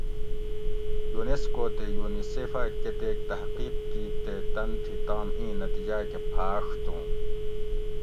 یونیسکو تے یونیسیف اۤ کتیک تحقیق کِیت تے تن تھی تام اِیں نتیجاۤ کۤہ پھاۤݭتُوں،